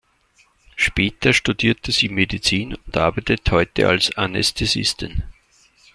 Später studierte sie Medizin und arbeitet heute als Anästhesistin.